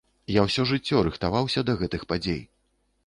Я ўсё жыццё рыхтаваўся да гэтых падзей.